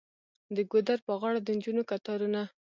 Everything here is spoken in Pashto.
د ګودر په غاړه د نجونو کتارونه.